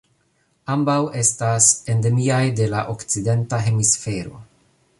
Ambaŭ estas endemiaj de la Okcidenta Hemisfero.